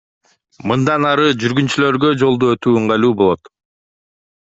Мындан ары жүргүнчүлөргө жолду өтүү ыңгайлуу болот.